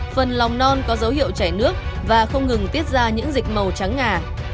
phần lòng non có dấu hiệu chảy nước và không ngừng tiết ra những dịch màu trắng ngà